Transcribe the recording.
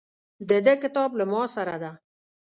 د ده کتاب له ماسره ده.